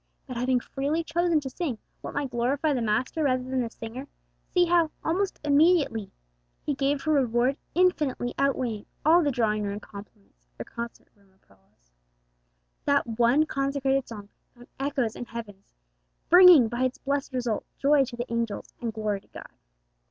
But having freely chosen to sing what might glorify the Master rather than the singer, see how, almost immediately, He gave her a reward infinitely outweighing all the drawing room compliments or concert room applause! That one consecrated song found echoes in heaven, bringing, by its blessed result, joy to the angels and glory to God.